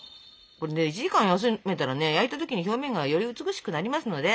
これね１時間休めたらね焼いた時に表面がより美しくなりますので。